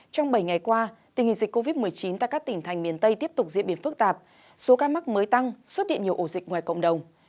trong bảy ngày qua tình hình dịch covid một mươi chín tại các tỉnh thành miền tây tiếp tục diễn biến phức tạp số ca mắc mới tăng xuất hiện nhiều ổ dịch ngoài cộng đồng